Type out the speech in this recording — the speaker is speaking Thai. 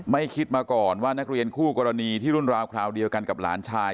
ไม่คิดมาก่อนว่านักเรียนคู่กรณีที่รุ่นราวคราวเดียวกันกับหลานชาย